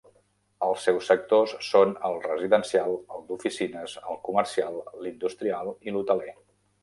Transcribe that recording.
Els seus sectors són el residencial, el d'oficines, el comercial, l'industrial i l'hoteler.